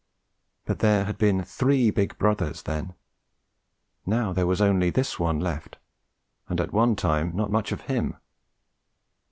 But there had been three big brothers, then; now there was only this one left and at one time not much of him.